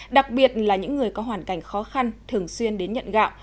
đặc biệt là những người có hoàn cảnh khó khăn thường xuyên đến nhận gạo